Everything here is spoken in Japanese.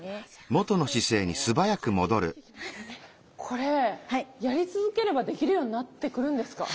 これやり続ければできるようになってくるんですか？